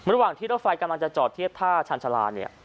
ระหว่างที่รถฟ่ากำลังจะจอดทีศท่าชาร์ชาลา